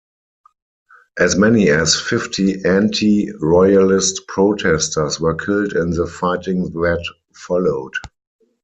As many as fifty anti-royalist protesters were killed in the fighting that followed.